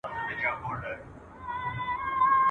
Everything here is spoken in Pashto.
د پوهي وده د ټولنیزي سولي او امنیت لپاره بنسټ جوړوي.